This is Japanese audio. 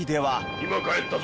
今帰ったぞ。